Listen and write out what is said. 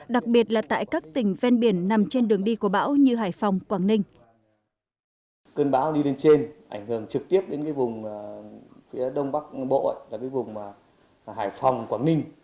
đặc biệt là tại các tỉnh ven biển nằm trên đường đi của bão như hải phòng quảng ninh